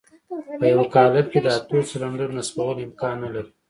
په يوه قالب کې د اتو سلنډرو نصبول امکان نه لري.